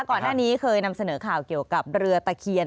ก่อนหน้านี้เคยนำเสนอข่าวเกี่ยวกับเรือตะเคียน